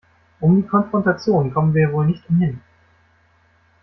Um die Konfrontation kommen wir wohl nicht umhin.